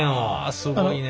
すごいね！